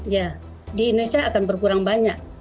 ya di indonesia akan berkurang banyak